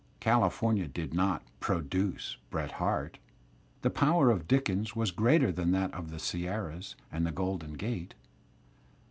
California did not "produce" Bret Harte; the power of Dickens was greater than that of the Sierras and the Grolden Gate.